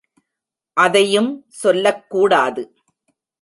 அதையும் சொல்லக் கூடாது.